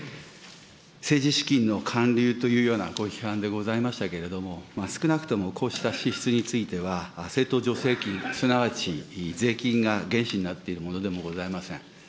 政治資金の還流というようなご批判でございましたけれども、少なくともこうした支出については、政党助成金、すなわち税金が原資になっているものでもございません。